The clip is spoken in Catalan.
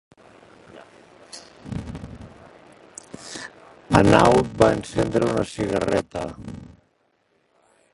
Hanaud va encendre una cigarreta.